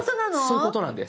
そういうことなんです。